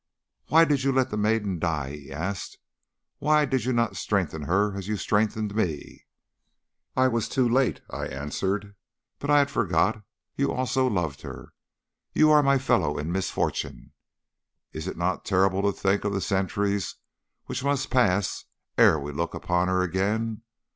"'Why did you let the maiden die?' he asked; 'why did you not strengthen her as you strengthened me?' "'I was too late,' I answered. 'But I had forgot. You also loved her. You are my fellow in misfortune. Is it not terrible to think of the centuries which must pass ere we look upon her again?